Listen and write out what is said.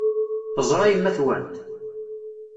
Teẓra yemma-twent?